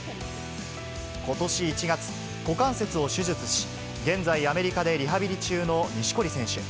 ことし１月、股関節を手術し、現在、アメリカでリハビリ中の錦織選手。